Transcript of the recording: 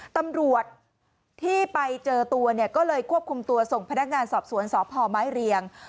ตำรวจที่ไปเจอตัวเนี่ยก็เลยควบคุมตัวส่งพนักงานสอบสวนสพไม้เรียง